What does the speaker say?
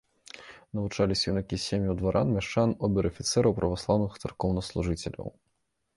Навучаліся юнакі з сем'яў дваран, мяшчан, обер-афіцэраў, праваслаўных царкоўнаслужыцеляў.